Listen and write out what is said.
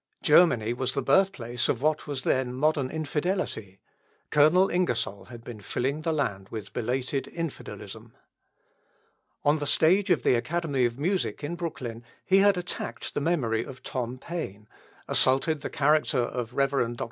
Germany was the birthplace of what was then modern infidelity, Colonel Ingersoll had been filling the land with belated infidelism. On the stage of the Academy of Music in Brooklyn he had attacked the memory of Tom Paine, assaulted the character of Rev. Dr.